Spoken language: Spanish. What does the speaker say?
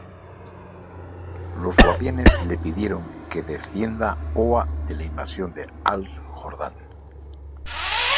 Los Guardianes le pidieron que defienda Oa de la invasión de Hal Jordan.